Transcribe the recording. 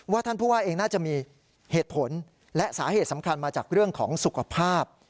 ท่านผู้ว่าเองน่าจะมีเหตุผลและสาเหตุสำคัญมาจากเรื่องของสุขภาพ